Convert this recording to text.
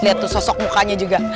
lihat tuh sosok mukanya juga